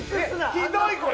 ひどい、これ！